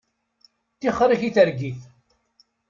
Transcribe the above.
Tixeṛ-ik i targit.